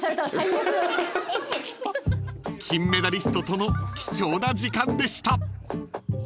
［金メダリストとの貴重な時間でした］